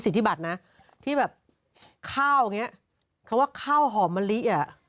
สิทธิบัตรนะที่แบบข้าวอย่างนี้คำว่าข้าวหอมมะลิอ่ะ